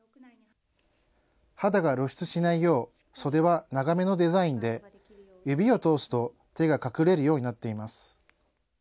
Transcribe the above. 肌が露出しないよう袖は長めのデザインで、指を通すと、手が隠れるようになっています。